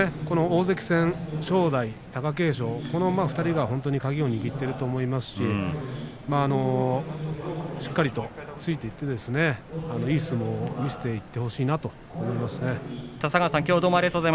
大関戦正代、貴景勝が鍵を握っていると思いますのでしっかりとついていっていい相撲を見せていってほしいなと思いますね。